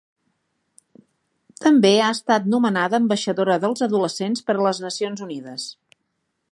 També ha estat nomenada ambaixadora dels adolescents per a les Nacions Unides.